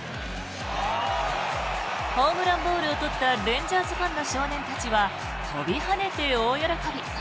ホームランボールをとったレンジャーズファンの少年たちは跳びはねて大喜び。